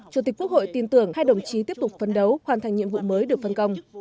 chủ tịch quốc hội tin tưởng hai đồng chí tiếp tục phấn đấu hoàn thành nhiệm vụ mới được phân công